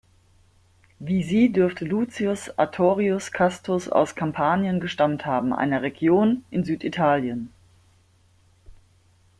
Wie sie dürfte Lucius Artorius Castus aus Kampanien gestammt haben, einer Region in Süditalien.